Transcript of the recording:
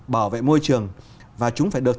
bảo vệ môi trường và chúng phải được